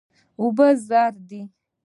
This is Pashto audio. اوبه زر دي.